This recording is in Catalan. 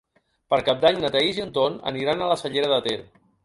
Per Cap d'Any na Thaís i en Ton aniran a la Cellera de Ter.